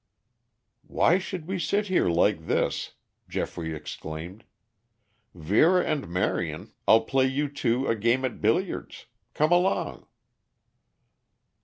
"Why should we sit here like this?" Geoffrey exclaimed. "Vera and Marion, I'll play you two a game at billiards. Come along."